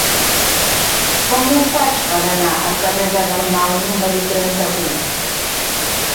Com ho faig per anar al carrer de Dalmau número trenta-vuit?